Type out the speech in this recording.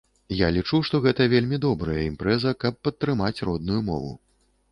Я лічу, што гэта вельмі добрая імпрэза, каб падтрымаць родную мову.